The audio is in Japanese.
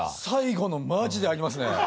最後のマジでありますね！